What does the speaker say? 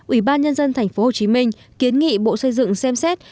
ủy ban nhân dân tp hcm kiến nghị bộ xây dựng xem xét